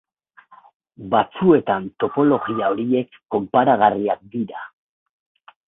Batzuetan topologia horiek konparagarriak dira.